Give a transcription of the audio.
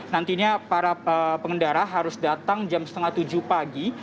nantinya para pengendara harus datang jam setengah tujuh pagi